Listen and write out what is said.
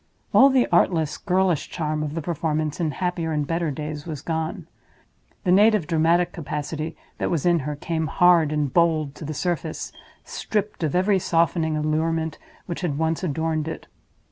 All the artless, girlish charm of the performance in happier and better days was gone. The native dramatic capacity that was in her came, hard and bold, to the surface, stripped of every softening allurement which had once adorned it.